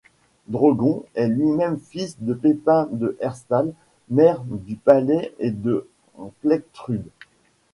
Drogon est lui-même fils de Pépin de Herstal, maire du palais, et de Plectrude.